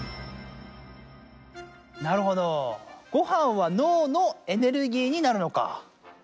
なるほどごはんは脳のエネルギーになるのか！